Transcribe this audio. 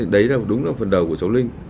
đấy là đúng là phần đầu của cháu linh